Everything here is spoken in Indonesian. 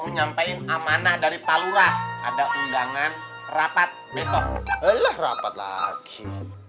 ngapain amanah dari palurah ada undangan rapat besok rapat lagi